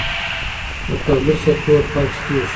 د تولید سکتور فلج کېږي.